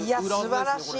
すばらしい。